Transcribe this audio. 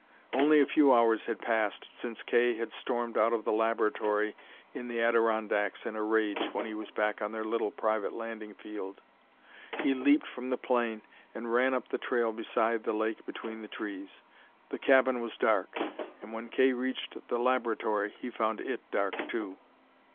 Only a few hours had passed since Kay had stormed out of the laboratory in the Adirondacks in a rage when he was back on their little private landing field. He leaped from the plane and ran up the trail beside the lake between the trees. The cabin was dark; and, when Kay reached the laboratory he found it dark too.